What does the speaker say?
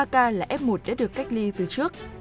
ba ca là f một đã được cách ly từ trước